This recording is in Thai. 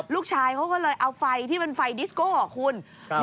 ลูกชายเขาก็เลยเอาไฟที่เป็นไฟดิสโก้อ่ะคุณ